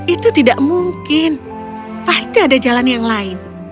itu tidak mungkin pasti ada jalan yang lain